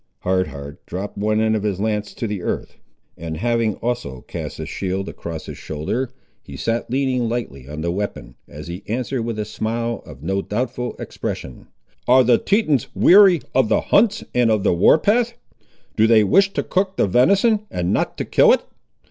Hard Heart dropped one end of his lance to the earth, and having also cast his shield across his shoulder, he sat leaning lightly on the weapon, as he answered with a smile of no doubtful expression— "Are the Tetons weary of the hunts, and of the warpath? Do they wish to cook the venison, and not to kill it?